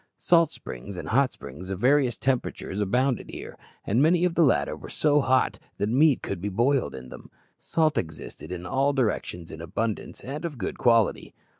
Salt springs and hot springs of various temperatures abounded here, and many of the latter were so hot that meat could be boiled in them. Salt existed in all directions in abundance and of good quality.